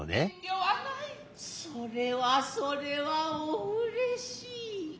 それはそれはお嬉しい。